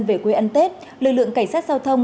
về quê ăn tết lực lượng cảnh sát giao thông